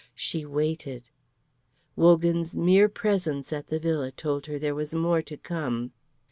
She waited. Wogan's mere presence at the villa told her there was more to come.